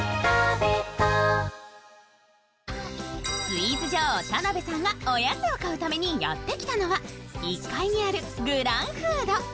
スイーツ女王・田辺さんがおやつを買うためにやってきたのは１階にあるグラン・フード。